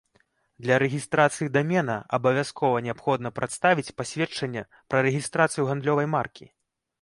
Для рэгістрацыі дамена абавязкова неабходна прадставіць пасведчанне пра рэгістрацыю гандлёвай маркі.